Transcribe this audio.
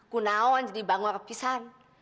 kunaon jadi bangwar pisahan